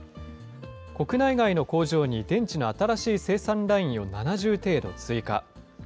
国内外の工場に電池の新しい生産ラインを７０程度追加。